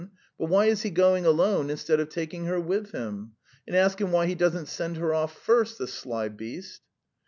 But why is he going alone instead of taking her with him? And ask him why he doesn't send her off first. The sly beast!"